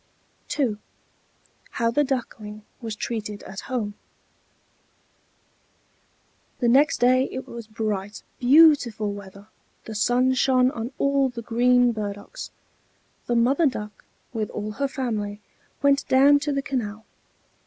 II HOW THE DUCKLING WAS TREATED AT HOME The next day it was bright, beautiful weather; the sun shone on all the green burdocks. The Mother Duck, with all her family, went down to the canal.